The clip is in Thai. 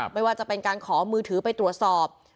ไม่ว่าจะเป็นการขอมือถือไปตรวจสอบ